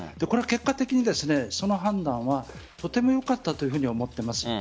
これは結果的にその判断はとてもよかったと思っています。